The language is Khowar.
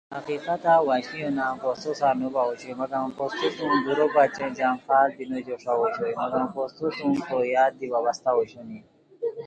حقیقتہ وشلیو نان پھوستو سار نو باؤ اوشوئے مگم پھوستو دُورو بچین جم فال دی نو جوݰاؤ اوشوئے مگم پھوستو سُم تو یاد دی وابستہ اوشونی